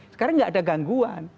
sekarang tidak ada gangguan